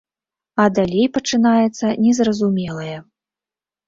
А далей пачынаецца незразумелае.